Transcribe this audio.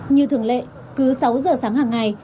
như thường lệ cứ sáu giờ sáng hàng ngày